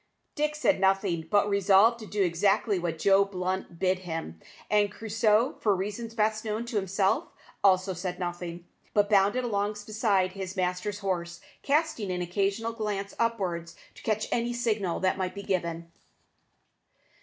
Dick said nothing, being resolved to do exactly what Joe Blunt bid him; and Crusoe, for reasons best known to himself, also said nothing, but bounded along beside his master's horse, casting an occasional glance upwards to catch any signal that might be given.